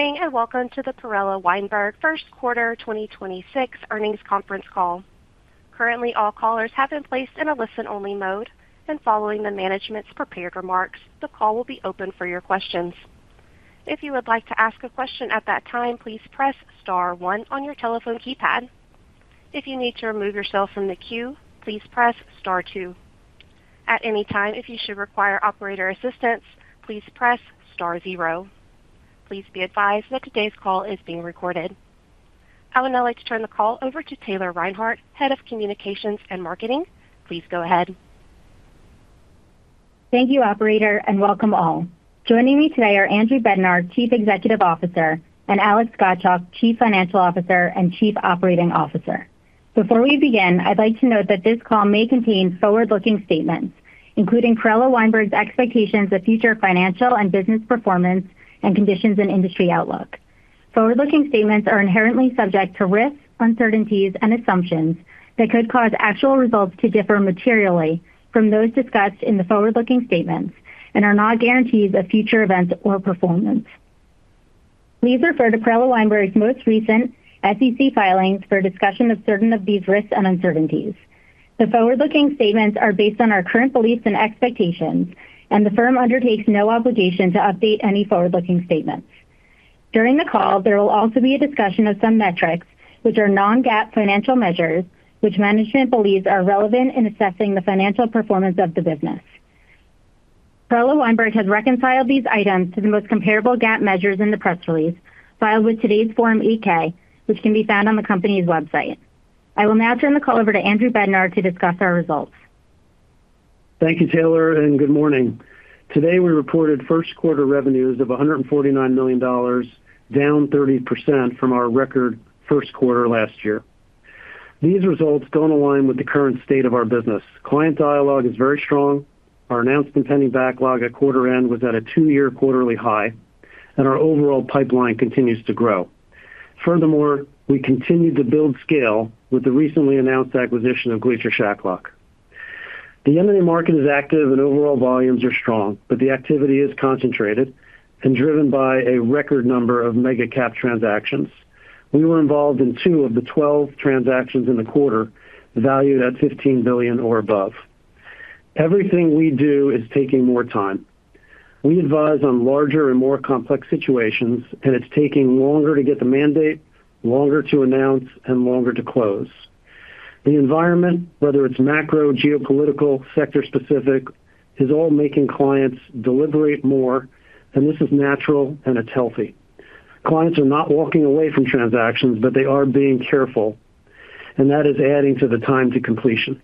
Good morning and welcome to the Perella Weinberg first quarter 2026 earnings conference call. Currently all callers have been placed in only listen mode. Since the management is preparing remarks. The call will be opened for your questions. If you would like to as a question at one time please press star one on your telephone keypad. If you need to remove yourself from the queue please press star two. At any time if you should require operator assistance please press star zero. Please be advised that todays call is being recorded. I would now like to turn the call over to Taylor Reinhardt, Head of Communications and Marketing. Please go ahead. Thank you, operator, and welcome all. Joining me today are Andrew Bednar, Chief Executive Officer, and Alex Gottschalk, Chief Financial Officer and Chief Operating Officer. Before we begin, I'd like to note that this call may contain forward-looking statements, including Perella Weinberg's expectations of future financial and business performance and conditions and industry outlook. Forward-looking statements are inherently subject to risks, uncertainties, and assumptions that could cause actual results to differ materially from those discussed in the forward-looking statements and are not guarantees of future events or performance. Please refer to Perella Weinberg's most recent SEC filings for a discussion of certain of these risks and uncertainties. The forward-looking statements are based on our current beliefs and expectations, and the firm undertakes no obligation to update any forward-looking statements. During the call, there will also be a discussion of some metrics which are non-GAAP financial measures, which management believes are relevant in assessing the financial performance of the business. Perella Weinberg has reconciled these items to the most comparable GAAP measures in the press release filed with today's Form 8-K, which can be found on the company's website. I will now turn the call over to Andrew Bednar to discuss our results. Thank you, Taylor. Good morning. Today, we reported first quarter revenues of $149 million, down 30% from our record first quarter last year. These results don't align with the current state of our business. Client dialogue is very strong. Our announcement pending backlog at quarter end was at a two-year quarterly high. Our overall pipeline continues to grow. Furthermore, we continued to build scale with the recently announced acquisition of Gleacher Shacklock. The M&A market is active and overall volumes are strong, but the activity is concentrated and driven by a record number of mega cap transactions. We were involved in two of the 12 transactions in the quarter valued at $15 billion or above. Everything we do is taking more time. We advise on larger and more complex situations, and it's taking longer to get the mandate, longer to announce, and longer to close. The environment, whether it's macro, geopolitical, sector specific, is all making clients deliberate more, and this is natural and it's healthy. Clients are not walking away from transactions, but they are being careful, and that is adding to the time to completion.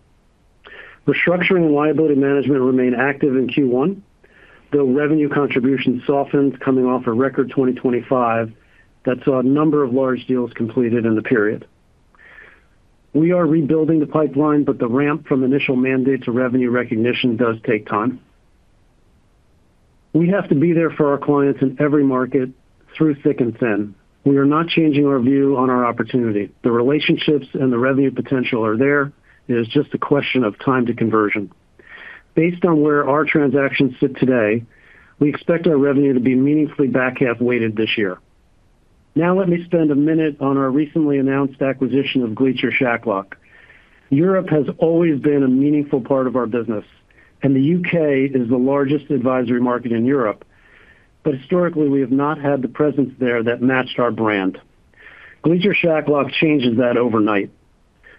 Restructuring and liability management remain active in Q1, though revenue contribution softens coming off a record 2025 that saw a number of large deals completed in the period. We are rebuilding the pipeline, but the ramp from initial mandate to revenue recognition does take time. We have to be there for our clients in every market through thick and thin. We are not changing our view on our opportunity. The relationships and the revenue potential are there. It is just a question of time to conversion. Based on where our transactions sit today, we expect our revenue to be meaningfully back half weighted this year. Let me spend a minute on our recently announced acquisition of Gleacher Shacklock. Europe has always been a meaningful part of our business. The U.K. is the largest advisory market in Europe. Historically, we have not had the presence there that matched our brand. Gleacher Shacklock changes that overnight.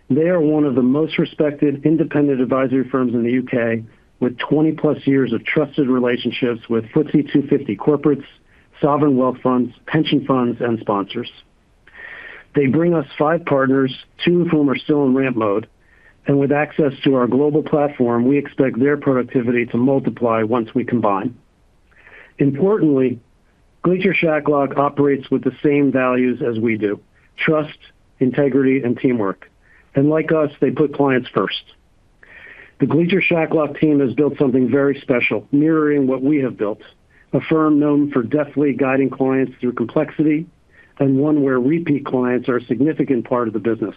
They are one of the most respected independent advisory firms in the U.K. with 20+ years of trusted relationships with FTSE 250 corporates, sovereign wealth funds, pension funds, and sponsors. They bring us five partners, two of whom are still in ramp mode. With access to our global platform, we expect their productivity to multiply once we combine. Importantly, Gleacher Shacklock operates with the same values as we do: trust, integrity, and teamwork. Like us, they put clients first. The Gleacher Shacklock team has built something very special, mirroring what we have built, a firm known for deftly guiding clients through complexity and one where repeat clients are a significant part of the business.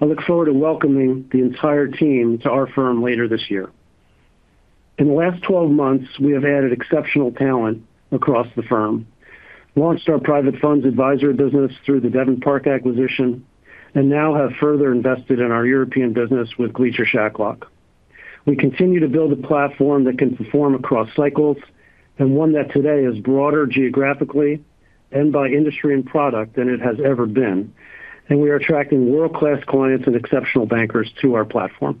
I look forward to welcoming the entire team to our firm later this year. In the last 12 months, we have added exceptional talent across the firm, launched our private funds advisory business through the Devon Park acquisition, and now have further invested in our European business with Gleacher Shacklock. We continue to build a platform that can perform across cycles and one that today is broader geographically and by industry and product than it has ever been. We are attracting world-class clients and exceptional bankers to our platform.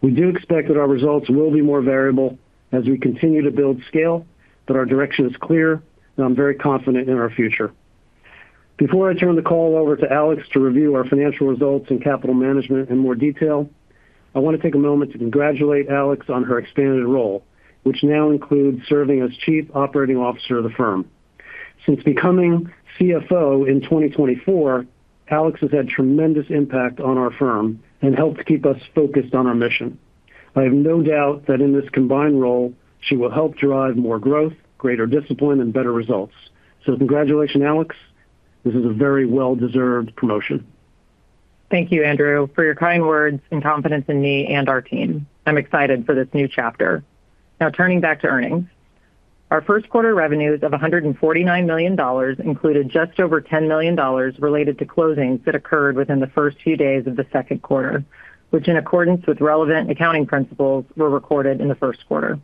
We do expect that our results will be more variable as we continue to build scale, but our direction is clear, and I'm very confident in our future. Before I turn the call over to Alex to review our financial results and capital management in more detail, I want to take a moment to congratulate Alex on her expanded role, which now includes serving as Chief Operating Officer of the firm. Since becoming CFO in 2024, Alex has had tremendous impact on our firm and helped keep us focused on our mission. I have no doubt that in this combined role, she will help drive more growth, greater discipline, and better results. Congratulations, Alex. This is a very well-deserved promotion. Thank you, Andrew, for your kind words and confidence in me and our team. I'm excited for this new chapter. Turning back to earnings. Our first quarter revenues of $149 million included just over $10 million related to closings that occurred within the first two days of the second quarter, which in accordance with relevant accounting principles, were recorded in the first quarter.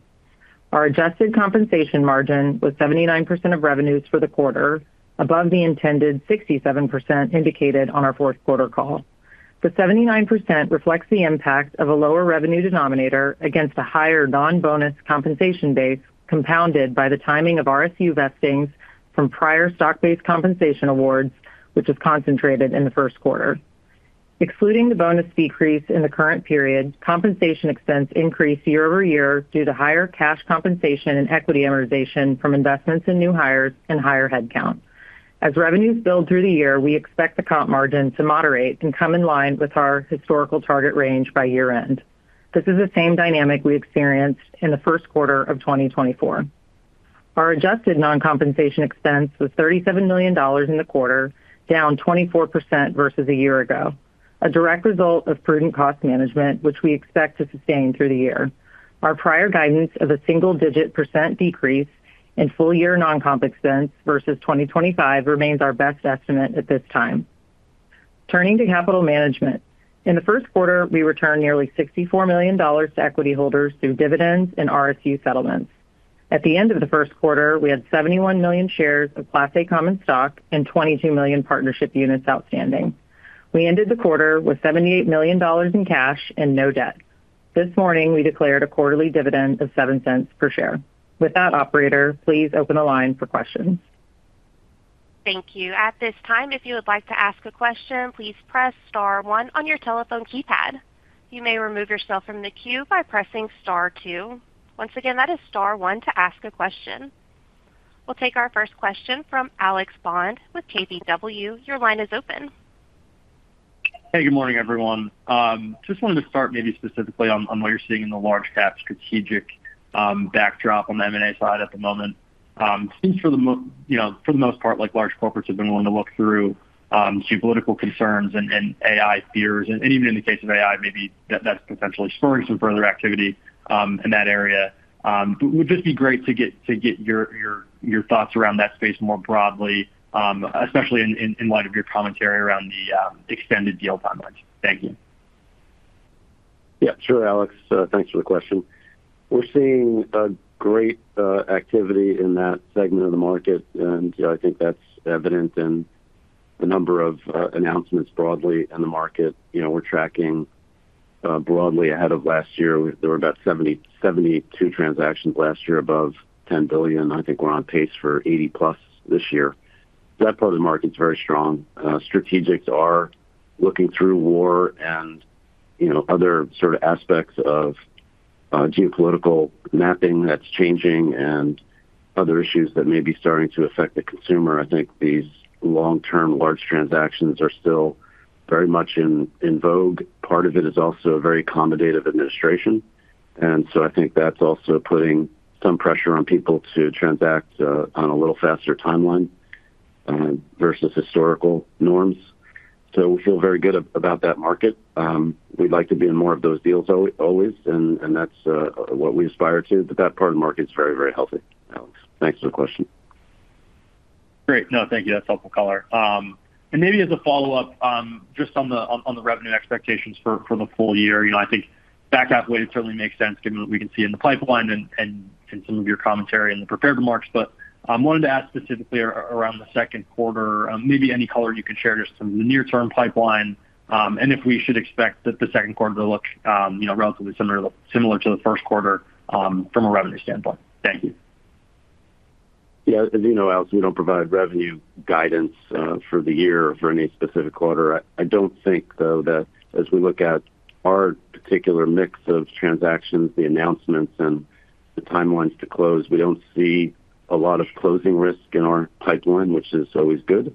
Our adjusted compensation margin was 79% of revenues for the quarter above the intended 67% indicated on our fourth quarter call. The 79% reflects the impact of a lower revenue denominator against a higher non-bonus compensation base, compounded by the timing of RSU vestings from prior stock-based compensation awards, which was concentrated in the first quarter. Excluding the bonus decrease in the current period, compensation expense increased year-over-year due to higher cash compensation and equity amortization from investments in new hires and higher headcount. As revenues build through the year, we expect the comp margin to moderate and come in line with our historical target range by year-end. This is the same dynamic we experienced in the first quarter of 2024. Our adjusted non-compensation expense was $37 million in the quarter, down 24% versus a year ago, a direct result of prudent cost management, which we expect to sustain through the year. Our prior guidance of a single-digit % decrease in full-year non-comp expense versus 2025 remains our best estimate at this time. Turning to capital management. In the first quarter, we returned nearly $64 million to equity holders through dividends and RSU settlements. At the end of the first quarter, we had 71 million shares of Class A common stock and 22 million partnership units outstanding. We ended the quarter with $78 million in cash and no debt. This morning, we declared a quarterly dividend of $0.07 per share. With that, operator, please open the line for questions. Thank you. At this time if you would like to ask a question please press star one on your telephone keypad. You may remove yourself from the queue by pressing star two. Once again press star one to ask a question. We'll take our first question from Alex Bond with KBW. Your line is open. Hey, good morning, everyone. Just wanted to start maybe specifically on what you're seeing in the large cap strategic M&A side at the moment. Seems for the most part, like large corporates have been willing to look through geopolitical concerns and AI fears, and even in the case of AI, maybe that's potentially spurring some further activity in that area. But would just be great to get your thoughts around that space more broadly, especially in light of your commentary around the extended deal timelines. Thank you. Sure, Alex. Thanks for the question. We're seeing great activity in that segment of the market, and I think that's evident in the number of announcements broadly in the market. You know, we're tracking broadly ahead of last year. There were about 72 transactions last year above $10 billion. I think we're on pace for 80+ this year. That part of the market's very strong. Strategics are looking through war and, you know, other sort of aspects of geopolitical mapping that's changing and other issues that may be starting to affect the consumer. I think these long-term large transactions are still very much in vogue. Part of it is also a very accommodative administration. I think that's also putting some pressure on people to transact on a little faster timeline versus historical norms. We feel very good about that market. We'd like to be in more of those deals always, and that's what we aspire to, but that part of the market is very, very healthy, Alex. Thanks for the question. Great. No, thank you. That's helpful color. Maybe as a follow-up, just on the revenue expectations for the full year. You know, I think back half weighted certainly makes sense given what we can see in the pipeline and in some of your commentary in the prepared remarks. I wanted to ask specifically around the second quarter, maybe any color you can share just some of the near-term pipeline, and if we should expect the second quarter to look, you know, relatively similar to the first quarter from a revenue standpoint. Thank you. As you know, Alex, we don't provide revenue guidance for the year or for any specific quarter. I don't think, though, that as we look at our particular mix of transactions, the announcements, and the timelines to close, we don't see a lot of closing risk in our pipeline, which is always good.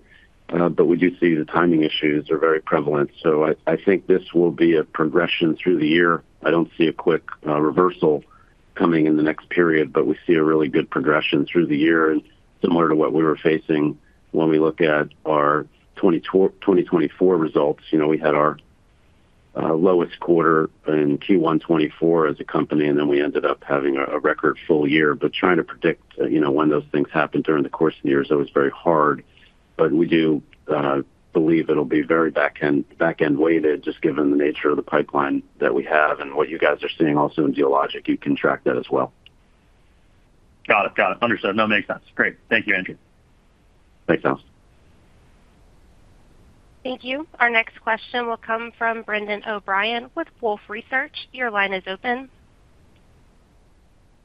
We do see the timing issues are very prevalent. I think this will be a progression through the year. I don't see a quick reversal coming in the next period, but we see a really good progression through the year and similar to what we were facing when we look at our 2024 results. You know, we had our lowest quarter in Q1 2024 as a company, we ended up having a record full year. Trying to predict, you know, when those things happen during the course of the year is always very hard. We do believe it'll be very back end weighted just given the nature of the pipeline that we have and what you guys are seeing also in geologic. You can track that as well. Got it. Understood. No, it makes sense. Great. Thank you, Andrew. Thanks, Alex. Thank you. Our next question will come from Brendan O'Brien with Wolfe Research. Your line is open.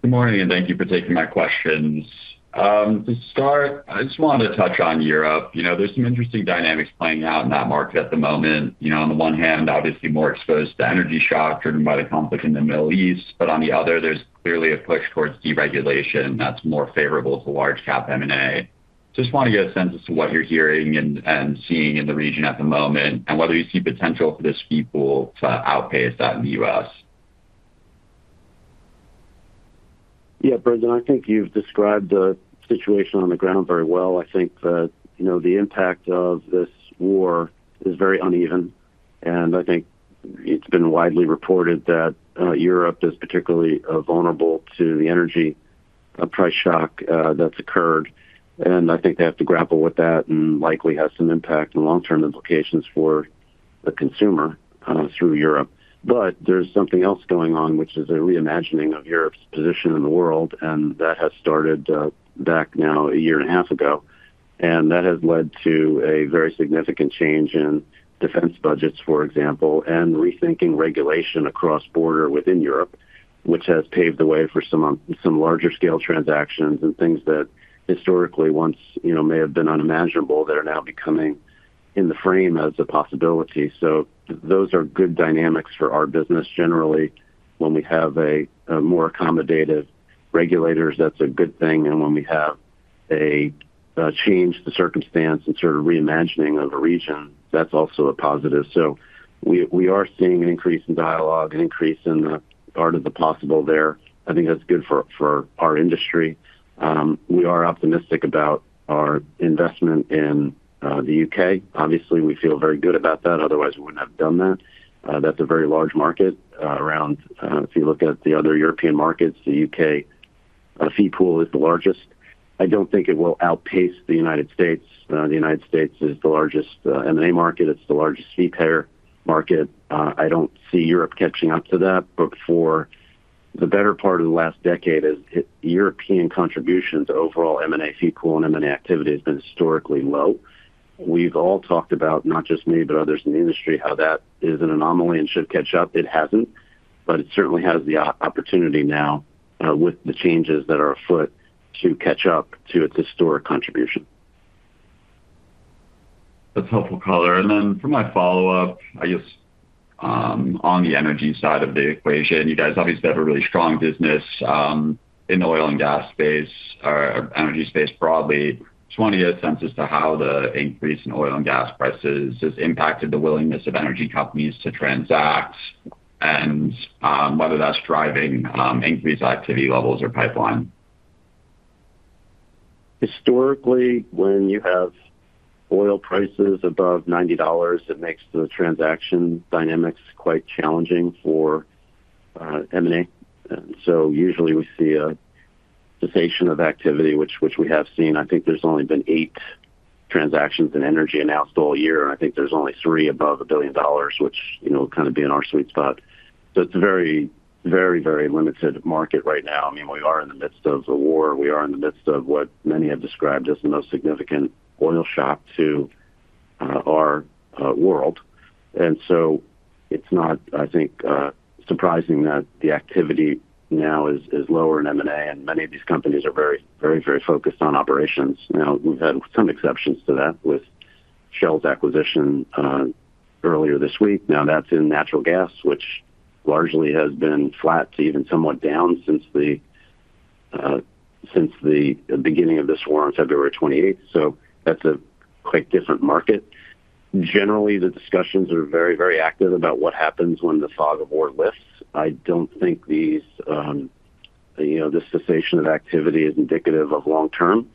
Good morning. Thank you for taking my questions. To start, I just wanted to touch on Europe. You know, there's some interesting dynamics playing out in that market at the moment. You know, on the one hand, obviously more exposed to energy shock driven by the conflict in the Middle East. On the other, there's clearly a push towards deregulation that's more favorable to large cap M&A. Just want to get a sense as to what you're hearing and seeing in the region at the moment and whether you see potential for this fee pool to outpace that in the U.S. Yeah, Brendan, I think you've described the situation on the ground very well. I think that, you know, the impact of this war is very uneven, and I think it's been widely reported that Europe is particularly vulnerable to the energy price shock that's occurred. I think they have to grapple with that and likely has some impact and long-term implications for the consumer through Europe. There's something else going on, which is a reimagining of Europe's position in the world, and that has started back now a year and a half ago. That has led to a very significant change in defense budgets, for example, and rethinking regulation across border within Europe, which has paved the way for some larger scale transactions and things that historically once, you know, may have been unimaginable that are now becoming in the frame as a possibility. Those are good dynamics for our business. Generally, when we have a more accommodative regulators, that's a good thing. When we have a change the circumstance and sort of reimagining of a region, that's also a positive. We are seeing an increase in dialogue and increase in the art of the possible there. I think that's good for our industry. We are optimistic about our investment in the U.K. Obviously, we feel very good about that, otherwise we wouldn't have done that. That's a very large market. Around, if you look at the other European markets, the U.K., fee pool is the largest. I don't think it will outpace the United States. The United States is the largest M&A market. It's the largest fee payer market. I don't see Europe catching up to that. For the better part of the last decade, European contribution to overall M&A fee pool and M&A activity has been historically low. We've all talked about, not just me, but others in the industry, how that is an anomaly and should catch up. It hasn't, but it certainly has the opportunity now, with the changes that are afoot to catch up to its historic contribution. That's helpful color. For my follow-up, I guess, on the energy side of the equation, you guys obviously have a really strong business in the oil and gas space or energy space broadly. Just want your sense as to how the increase in oil and gas prices has impacted the willingness of energy companies to transact and whether that's driving increased activity levels or pipeline. Historically, when you have oil prices above $90, it makes the transaction dynamics quite challenging for M&A. Usually we see a cessation of activity which we have seen. I think there's only been eight transactions in energy announced all year, and I think there's only three above $1 billion, which, you know, kind of be in our sweet spot. It's a very, very, very limited market right now. I mean, we are in the midst of a war. We are in the midst of what many have described as the most significant oil shock to our world. It's not, I think, surprising that the activity now is lower in M&A, and many of these companies are very, very, very focused on operations. Now, we've had some exceptions to that with Shell's acquisition earlier this week. That's in natural gas, which largely has been flat to even somewhat down since the since the beginning of this war on February 28. That's a quite different market. Generally, the discussions are very, very active about what happens when the fog of war lifts. I don't think these, you know, this cessation of activity is indicative of long term.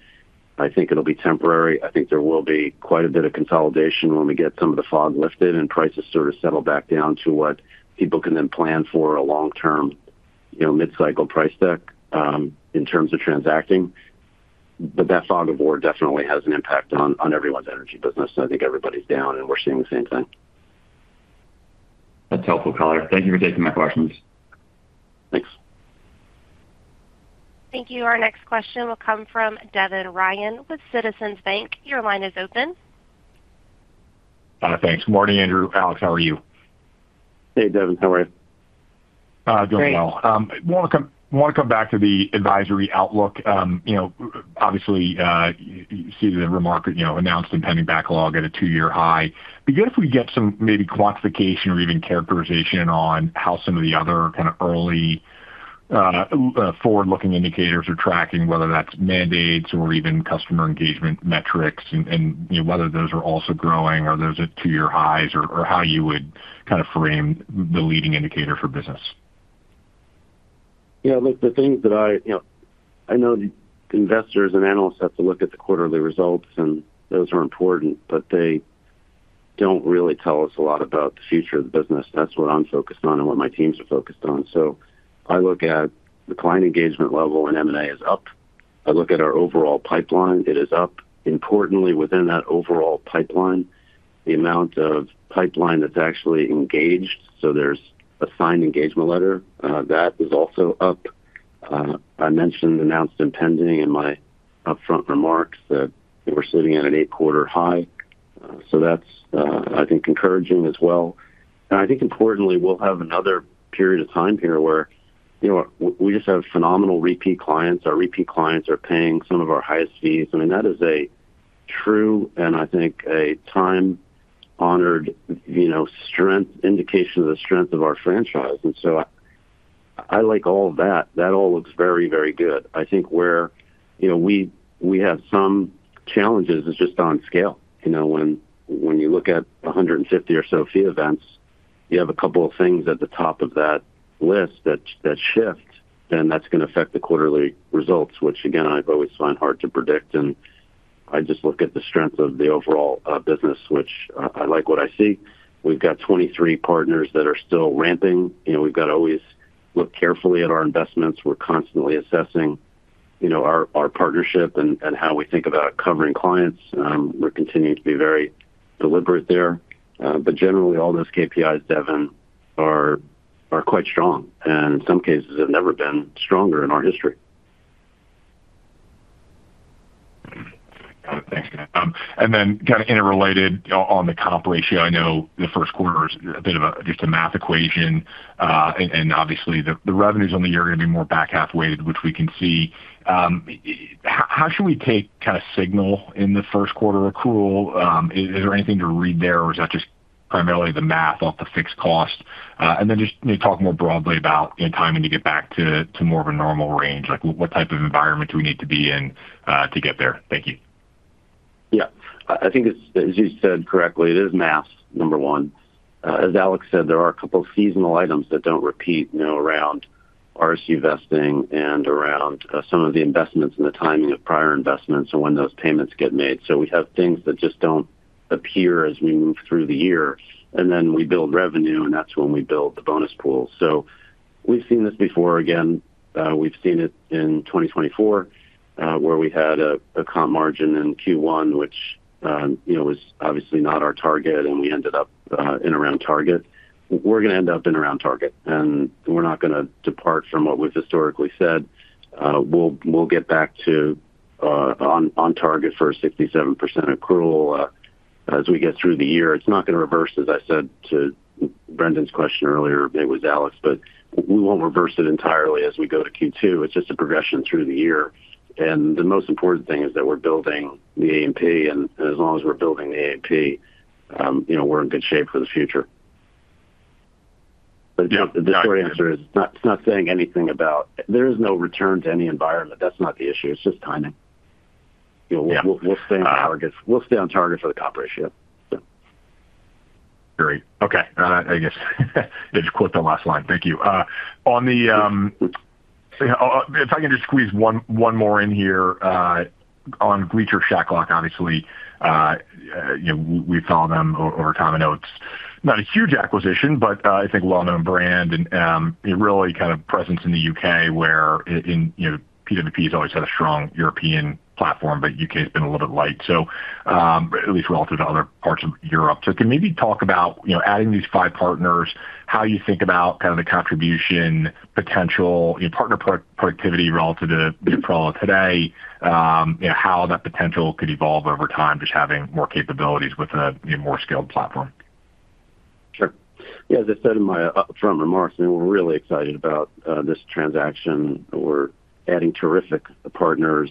I think it'll be temporary. I think there will be quite a bit of consolidation when we get some of the fog lifted and prices sort of settle back down to what people can then plan for a long-term, you know, mid-cycle price deck in terms of transacting. That fog of war definitely has an impact on everyone's energy business. I think everybody's down, and we're seeing the same thing. That's helpful color. Thank you for taking my questions. Thanks. Thank you. Our next question will come from Devin Ryan with Citizens Bank. Your line is open. thanks. Morning, Andrew. Alex, how are you? Hey, Devin. How are you? Doing well. Great. Wanna come back to the advisory outlook. You know, obviously, you see the remark, you know, announced and pending backlog at a two-year high. Be good if we get some maybe quantification or even characterization on how some of the other kind of early, forward-looking indicators are tracking, whether that's mandates or even customer engagement metrics and, you know, whether those are also growing or those are two-year highs or how you would kind of frame the leading indicator for business? Yeah, look. You know, I know investors and analysts have to look at the quarterly results, and those are important, but they don't really tell us a lot about the future of the business. That's what I'm focused on and what my teams are focused on. I look at the client engagement level, and M&A is up. I look at our overall pipeline. It is up. Importantly, within that overall pipeline, the amount of pipeline that's actually engaged, so there's a signed engagement letter, that is also up. I mentioned announced and pending in my upfront remarks that we're sitting at an eight-quarter high. That's, I think encouraging as well. I think importantly, we'll have another period of time here where, you know, we just have phenomenal repeat clients. Our repeat clients are paying some of our highest fees. I mean, that is a true and I think a time-honored, you know, indication of the strength of our franchise. I like all that. That all looks very, very good. I think where, you know, we have some challenges is just on scale. You know, when you look at 150 or so fee events. You have a couple of things at the top of that list that shift, then that's gonna affect the quarterly results, which again, I've always find hard to predict. I just look at the strength of the overall business, which I like what I see. We've got 23 partners that are still ramping. You know, we've got to always look carefully at our investments. We're constantly assessing, you know, our partnership and how we think about covering clients. We're continuing to be very deliberate there. Generally, all those KPIs, Devin, are quite strong, and in some cases have never been stronger in our history. Got it. Thanks, guys. Kind of interrelated on the comp ratio. I know the first quarter is a bit of a just a math equation. And obviously the revenues on the year are gonna be more back half weighted, which we can see. How should we take kind of signal in the first quarter accrual? Is there anything to read there or is that just primarily the math off the fixed cost? Just maybe talk more broadly about in timing to get back to more of a normal range, like what type of environment do we need to be in to get there? Thank you. Yeah. I think it's, as you said correctly, it is math, number one. As Alex said, there are a couple of seasonal items that don't repeat, you know, around RSU vesting and around some of the investments and the timing of prior investments and when those payments get made. We have things that just don't appear as we move through the year, and then we build revenue, and that's when we build the bonus pool. We've seen this before. Again, we've seen it in 2024, where we had a comp margin in Q1, which, you know, was obviously not our target, and we ended up in around target. We're gonna end up in around target, and we're not gonna depart from what we've historically said. We'll, we'll get back to, on target for a 67% accrual, as we get through the year. It's not gonna reverse, as I said to Brendan's question earlier. It was Alex. We won't reverse it entirely as we go to Q2. It's just a progression through the year. The most important thing is that we're building the A&P, and as long as we're building the A&P, you know, we're in good shape for the future. The short answer is it's not, it's not saying anything about. There is no return to any environment. That's not the issue. It's just timing. Yeah. We'll stay on target. We'll stay on target for the comp ratio. Yeah. Great. Okay. I guess just quote the last line. Thank you. On the, if I can just squeeze one more in here, on Gleacher Shacklock, obviously, you know, we follow them or common notes. Not a huge acquisition, but I think well-known brand and it really kind of presence in the U.K. where, you know, PWP has always had a strong European platform, but U.K. has been a little bit light. At least relative to other parts of Europe. Can you maybe talk about, you know, adding these five partners, how you think about kind of the contribution potential, you know, partner productivity relative to the problem today, you know, how that potential could evolve over time, just having more capabilities with a more scaled platform? Sure. Yeah, as I said in my up front remarks, I mean, we're really excited about this transaction. We're adding terrific partners.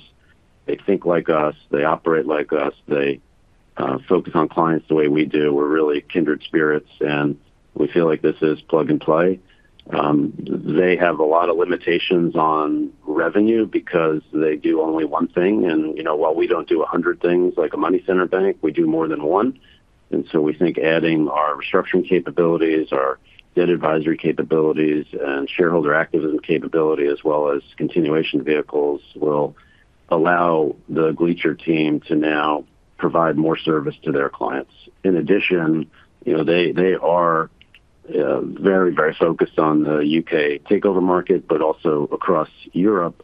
They think like us. They operate like us. They focus on clients the way we do. We're really kindred spirits, and we feel like this is plug and play. They have a lot of limitations on revenue because they do only one thing. You know, while we don't do a hundred things like a money center bank, we do more than one. We think adding our restructuring capabilities, our debt advisory capabilities, and shareholder activism capability, as well as continuation vehicles, will allow the Gleacher team to now provide more service to their clients. In addition, you know, they are very, very focused on the U.K. takeover market, but also across Europe.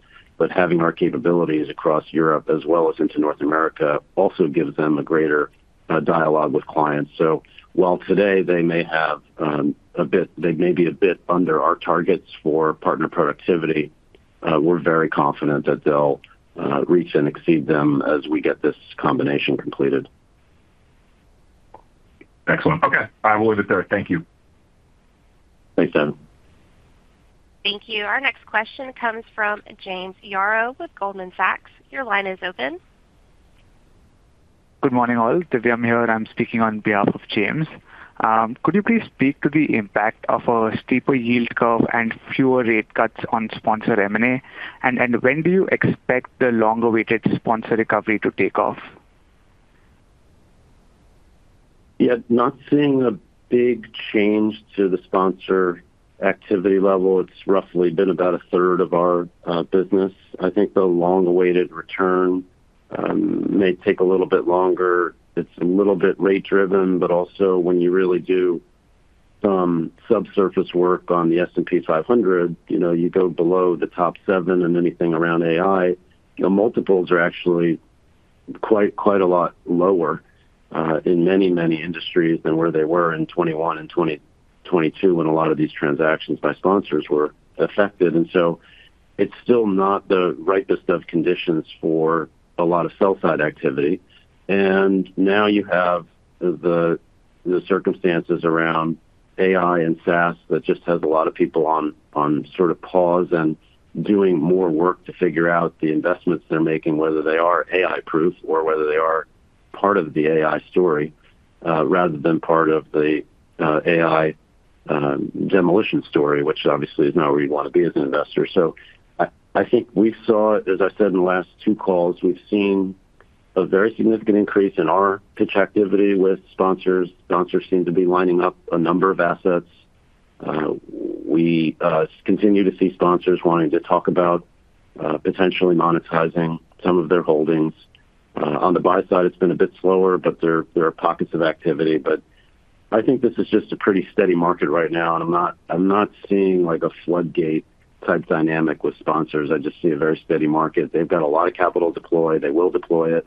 Having our capabilities across Europe as well as into North America also gives them a greater dialogue with clients. While today they may have a bit under our targets for partner productivity, we're very confident that they'll reach and exceed them as we get this combination completed. Excellent. Okay. I will leave it there. Thank you. Thanks, Devin. Thank you. Our next question comes from James Yaro with Goldman Sachs. Your line is open. Good morning, all. Divyam here. I'm speaking on behalf of James. Could you please speak to the impact of a steeper yield curve and fewer rate cuts on sponsor M&A? When do you expect the long-awaited sponsor recovery to take off? Yeah, not seeing a big change to the sponsor activity level. It's roughly been about a third of our business. I think the long-awaited return may take a little bit longer. It's a little bit rate-driven, but also when you really do some subsurface work on the S&P 500, you know, you go below the top seven and anything around AI, you know, multiples are actually quite a lot lower in many, many industries than where they were in 2021 and 2022 when a lot of these transactions by sponsors were affected. It's still not the ripest of conditions for a lot of sell-side activity. Now you have the circumstances around AI and SaaS that just has a lot of people on sort of pause and doing more work to figure out the investments they're making, whether they are AI proof or whether they are part of the AI story, rather than part of the AI demolition story, which obviously is not where you want to be as an investor. I think we saw, as I said in the last two calls, we've seen a very significant increase in our pitch activity with sponsors. Sponsors seem to be lining up a number of assets. We continue to see sponsors wanting to talk about potentially monetizing some of their holdings. On the buy side, it's been a bit slower, but there are pockets of activity. I think this is just a pretty steady market right now, and I'm not, I'm not seeing like a floodgate-type dynamic with sponsors. I just see a very steady market. They've got a lot of capital deployed. They will deploy it.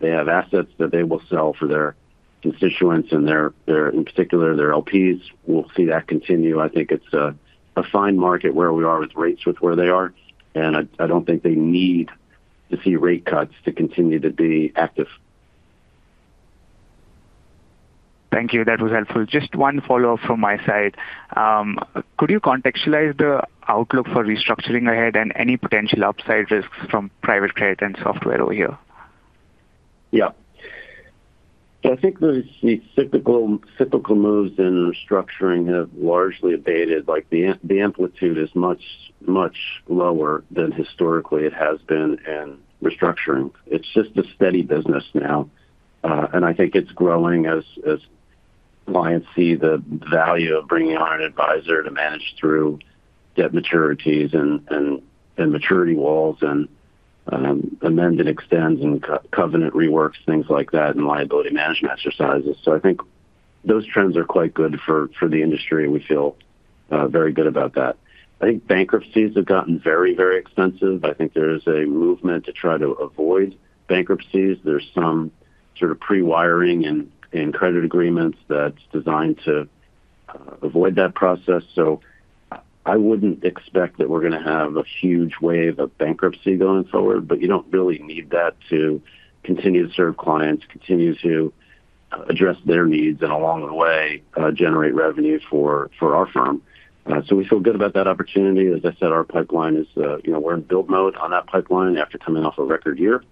They have assets that they will sell for their constituents and their, in particular, their LPs. We'll see that continue. I think it's a fine market where we are with rates with where they are. I don't think they need to see rate cuts to continue to be active. Thank you. That was helpful. Just one follow-up from my side. Could you contextualize the outlook for restructuring ahead and any potential upside risks from private credit and software over here? Yeah. I think the typical moves in restructuring have largely abated. Like, the amplitude is much lower than historically it has been in restructuring. It's just a steady business now, and I think it's growing as clients see the value of bringing on an advisor to manage through debt maturities and maturity walls and amend and extends and co-covenant reworks, things like that, and liability management exercises. I think those trends are quite good for the industry, and we feel very good about that. I think bankruptcies have gotten very expensive. I think there is a movement to try to avoid bankruptcies. There's some sort of pre-wiring in credit agreements that's designed to avoid that process. I wouldn't expect that we're gonna have a huge wave of bankruptcy going forward. You don't really need that to continue to serve clients, continue to address their needs, and along the way, generate revenue for our firm. We feel good about that opportunity. As I said, our pipeline is, you know, we're in build mode on that pipeline after coming off a record year.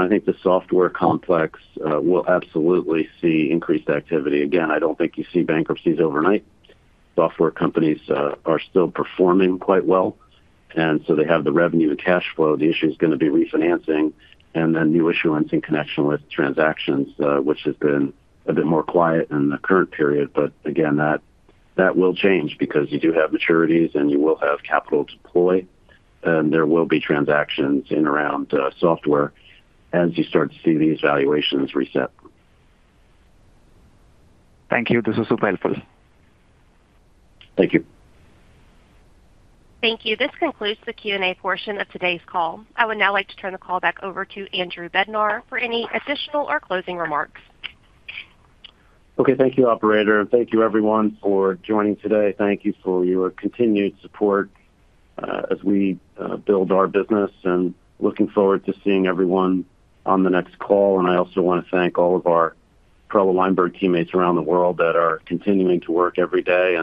I think the software complex will absolutely see increased activity. Again, I don't think you see bankruptcies overnight. Software companies are still performing quite well, and so they have the revenue and cash flow. The issue is gonna be refinancing and then new issuance in connection with transactions, which has been a bit more quiet in the current period. Again, that will change because you do have maturities and you will have capital deploy, and there will be transactions in around software as you start to see these valuations reset. Thank you. This is super helpful. Thank you. Thank you. This concludes the Q&A portion of today's call. I would now like to turn the call back over to Andrew Bednar for any additional or closing remarks. Okay. Thank you, operator. Thank you everyone for joining today. Thank you for your continued support as we build our business, looking forward to seeing everyone on the next call. I also wanna thank all of our Perella Weinberg teammates around the world that are continuing to work every day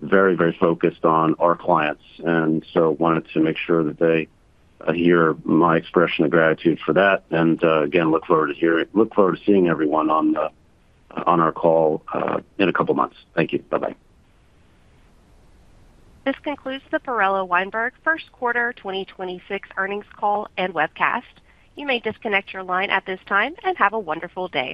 and very focused on our clients. I wanted to make sure that they hear my expression of gratitude for that. Again, look forward to seeing everyone on our call in a couple of months. Thank you. Bye-bye. This concludes the Perella Weinberg first quarter 2026 earnings call and webcast. You may disconnect your line at this time, and have a wonderful day.